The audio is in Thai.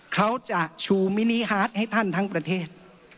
เขาจะชูมินิฮาร์ดให้ท่านทั้งประเทศ